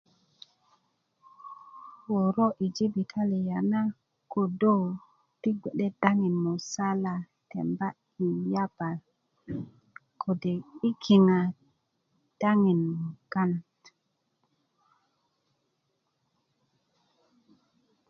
wörö i jibitaliya na kodo ti bge'de daŋin musala temba i yapa kode i kiŋa daŋin mukanat